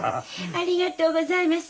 ありがとうございます。